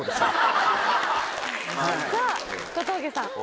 さぁ小峠さん。